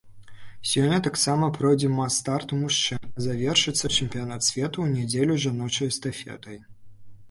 Сёння таксама пройдзе мас-старт у мужчын, а завершыцца чэмпіянат свету ў нядзелю жаночай эстафетай.